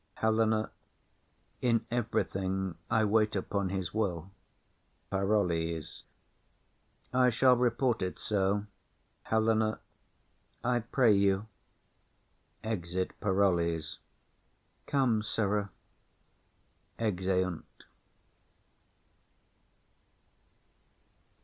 HELENA. In everything I wait upon his will. PAROLLES. I shall report it so. HELENA. I pray you. Come, sirrah. [_Exeunt.